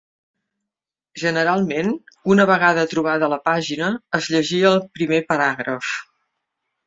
Generalment, una vegada trobada la pàgina, es llegia el primer paràgraf.